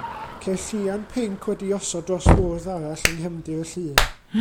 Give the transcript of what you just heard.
Ceir lliain pinc wedi'i osod dros fwrdd arall yng nghefndir y llun.